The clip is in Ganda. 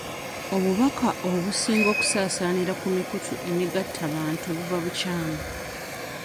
Obubaka obusinga okusaasaanira ku mikutu emigattabantu buba bukyamu.